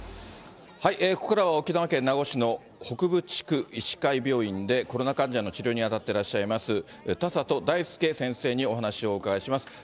ここからは沖縄県名護市の北部地区医師会病院でコロナ患者の治療に当たってらっしゃいます、田里大輔先生にお話をお伺いします。